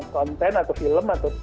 konten atau film atau